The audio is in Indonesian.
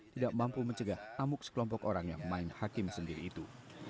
tidak mampu mencegah amuk sekelompok orang yang main hakim sendiri itu